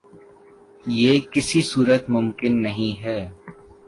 یہ کسی صورت ممکن نہیں ہے